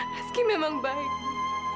rizky memang baik bu